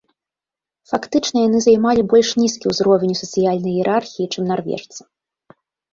Фактычна яны займалі больш нізкі ўзровень ў сацыяльнай іерархіі, чым нарвежцы.